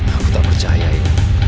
aku tak percaya ya